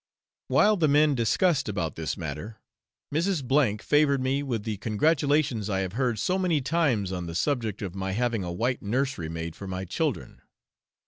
While the men discussed about this matter, Mrs. B favoured me with the congratulations I have heard so many times on the subject of my having a white nursery maid for my children.